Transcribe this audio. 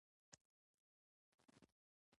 هغوی په فرانسې او هسپانیې کې بانفوذه و.